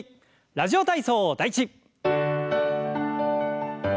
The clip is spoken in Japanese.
「ラジオ体操第１」。